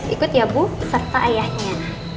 ikut ya bu serta ayahnya